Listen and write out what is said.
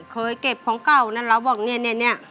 เคยเก็บของเก่านั้นเราบอกเนี่ย